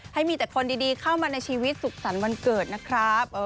ให้มีแต่คนดีเข้ามาในชีวิตสุขสรรค์วันเกิดนะครับ